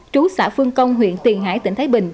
trú xã phương công huyện tiền hải tỉnh thái bình